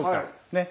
ねっ？